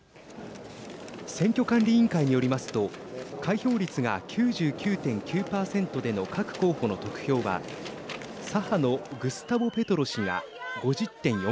選挙管理委員会によりますと開票率が９９．９％での各候補の得票は左派のグスタボ・ペトロ氏が５０．４％